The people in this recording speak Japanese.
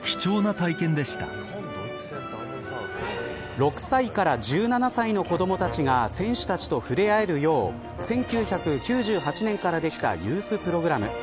６歳から１７歳の子どもたちが選手たちと触れ合えるよう１９９８年からできたユースプログラム。